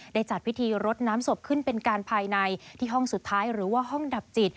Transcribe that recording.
จัดพิธีรดน้ำศพขึ้นเป็นการภายในที่ห้องสุดท้ายหรือว่าห้องดับจิต